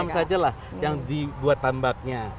enam saja lah yang dibuat tambaknya